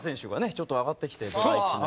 ちょっと上がってきてドラ１の。